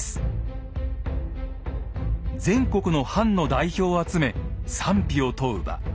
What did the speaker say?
全国の藩の代表を集め賛否を問う場。